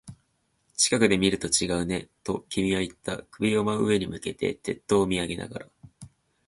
近くで見ると違うね、と君は言った。首を真上に向けて、鉄塔を見上げながら。